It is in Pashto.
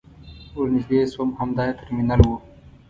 ور نژدې شوم همدا يې ترمینل و.